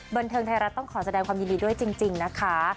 บันเทิงไทยรัฐต้องขอแสดงความยินดีด้วยจริงนะคะ